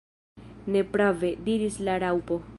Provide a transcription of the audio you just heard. "Ne prave!" diris la Raŭpo.